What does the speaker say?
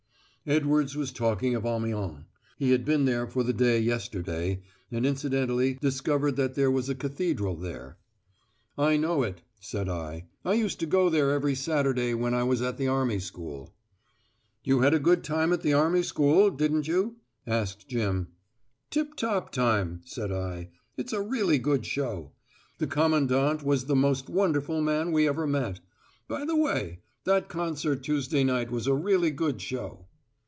Edwards was talking of Amiens: he had been there for the day yesterday, and incidentally discovered that there was a cathedral there. "I know it," said I. "I used to go there every Saturday when I was at the Army School." "You had a good time at the Army School, didn't you?" asked Jim. "Tip top time," said I. "It's a really good show. The Commandant was the most wonderful man we ever met. By the way, that concert Tuesday night was a really good show."